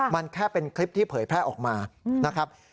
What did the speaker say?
มันแค่เป็นคลิปที่เผยแพร่ออกมานะครับ